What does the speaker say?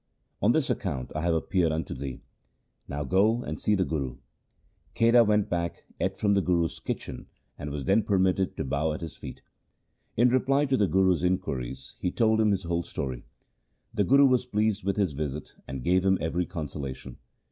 On this account I have ap peared unto thee. Now go, and see the Guru.' Kheda went back, ate from the Guru's kitchen, and 134 THE SIKH RELIGION was then permitted to bow at his feet. In reply to the Guru's inquiries he told him his whole history. The Guru was pleased with his visit and gave him every consolation.